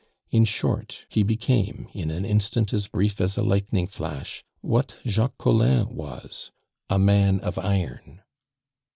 In short, he became, in an instant as brief as a lightning flash, what Jacques Collin was a man of iron.